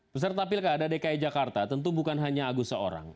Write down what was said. peserta pilkada dki jakarta tentu bukan hanya agus seorang